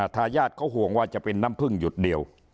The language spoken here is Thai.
ทายาทเขาห่วงว่าจะเป็นน้ำพึ่งหยุดเดียว